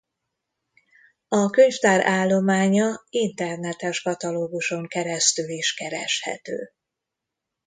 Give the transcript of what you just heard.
A könyvtár állománya internetes katalóguson keresztül is kereshető.